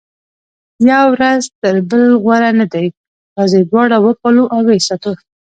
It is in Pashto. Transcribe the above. یو وزر تر بل غوره نه دی، راځئ دواړه وپالو او ویې ساتو.